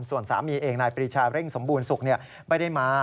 ส่วนสามีเองนายปรีชาเร่งสมบูรณสุขไม่ได้มา